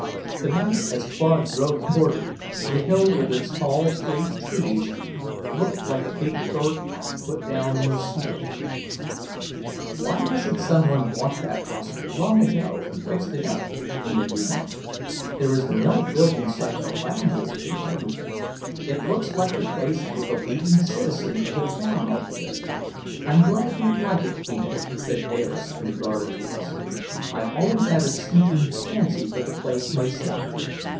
Tonight, as Claude drove toward it, the hill with its tall straight trees looked like a big fur cap put down on the snow. "Why hasn't some one bought that house long ago and fixed it up?" Enid remarked. "There is no building site around here to compare with it. It looks like the place where the leading citizen of the town ought to live." "I'm glad you like it, Enid," said Bayliss in a guarded voice. "I've always had a sneaking fancy for the place myself.